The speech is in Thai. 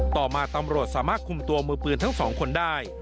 ต่อมาตำรวจสามารถคุมตัวมือปืนทั้งสองคนได้